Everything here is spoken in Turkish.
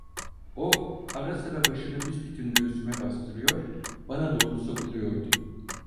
O, ara sıra başını büsbütün göğsüme bastırıyor, bana doğru sokuluyordu.